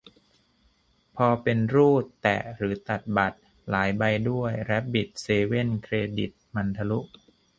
พอเป็นรูด แตะ หรือตัดบัตร หลายใบด้วย แรบบิต เซเว่น เครดิต มันทะลุ